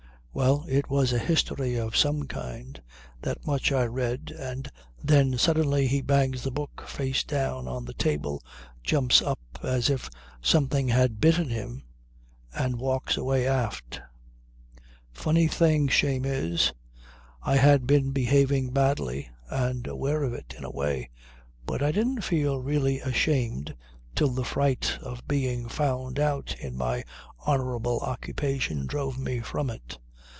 Well, it was a history of some kind, that much I read and then suddenly he bangs the book face down on the table, jumps up as if something had bitten him and walks away aft. "Funny thing shame is. I had been behaving badly and aware of it in a way, but I didn't feel really ashamed till the fright of being found out in my honourable occupation drove me from it.